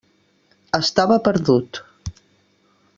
Estava perdut.